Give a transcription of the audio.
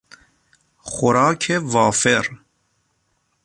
خوراک وافر